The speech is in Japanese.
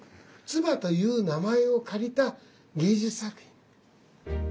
鐔という名前を借りた芸術作品。